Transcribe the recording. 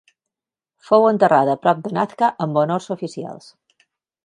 Fou enterrada prop de Nazca amb honors oficials.